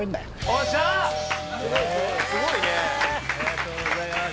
おっしゃありがとうございます